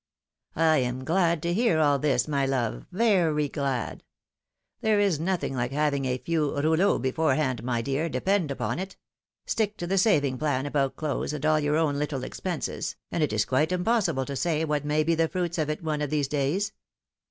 " I am glad to hear all this, my love, very glad. There is nothing like having a few rouleaux beforehand, my dear, depend upon it — stick to the saving plan about clothes and all your own little expenses, and it is quite impossible to say what may be the fruits of it one of these days."